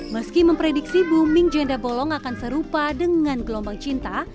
meski memprediksi booming janda bolong akan serupa dengan gelombang cinta